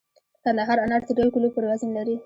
د کندهار انار تر یو کیلو پورې وزن لري.